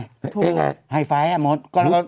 ถูกไฮไฟล์อ่ะมด